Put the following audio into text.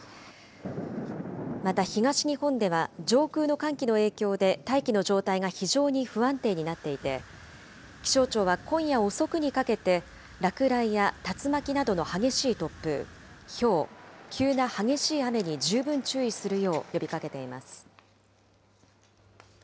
また東日本では、上空の寒気の影響で大気の状態が非常に不安定になっていて、気象庁は今夜遅くにかけて落雷や竜巻などの激しい突風、ひょう、急な激しい雨に十分注意するよう呼びかけています。